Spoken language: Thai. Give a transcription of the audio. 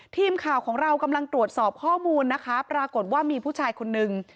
ทีมข่าวของเรากำลังตรวจสอบข้อมูลนะคะปรากฏว่ามีผู้ชายคนนึง